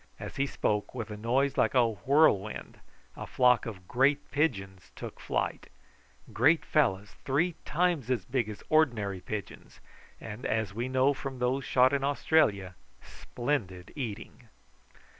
As he spoke, with a noise like a whirlwind a flock of great pigeons took flight great fellows, three times as big as ordinary pigeons, and, as we knew from those shot in Australia, splendid eating.